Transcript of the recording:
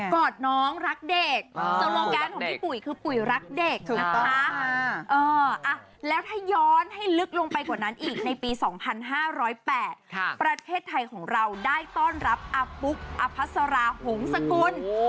อดน้องรักเด็กส่วนวงการของพี่ปุ๋ยคือปุ๋ยรักเด็กนะคะแล้วถ้าย้อนให้ลึกลงไปกว่านั้นอีกในปี๒๕๐๘ประเทศไทยของเราได้ต้อนรับอาปุ๊กอภัสราหงษกุล